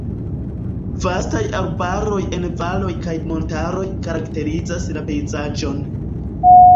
Vastaj arbaroj en valoj kaj montaroj karakterizas la pejzaĝon.